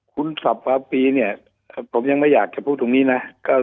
คุณสับวาปีเนี่ยผมยังไม่อยากจะพูดตรงนี้นะ